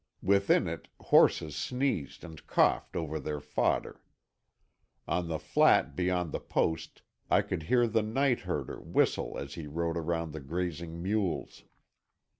Within it horses sneezed and coughed over their fodder. On the flat beyond the post I could hear the night herder whistle as he rode around the grazing mules.